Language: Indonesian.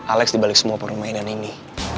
alex dibalik semua permainan ini